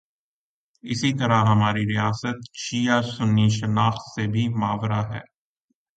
اسی طرح ہماری ریاست شیعہ سنی شناخت سے بھی ماورا ہے۔